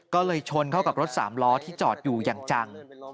ก็เลยชนเข้ากับรถสามล้อที่จอดอยู่อย่างจัง